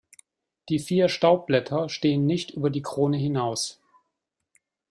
Die vier Staubblätter stehen nicht über die Krone hinaus.